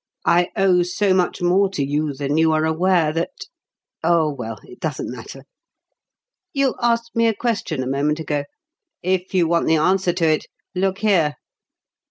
"I owe so much more to you than you are aware, that Oh, well, it doesn't matter. You asked me a question a moment ago. If you want the answer to it look here."